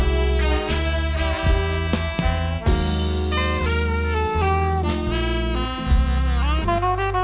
เมื่อเวลาเมื่อเวลา